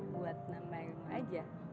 buat nama ilmu aja